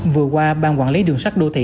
vừa qua bang quản lý đường sắt đô thị